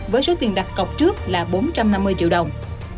với số tiền đặt cọc trước là bốn trăm năm mươi triệu đồng